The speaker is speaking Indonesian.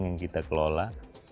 yang kita kelola